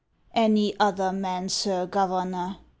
Any other man, Sir Governor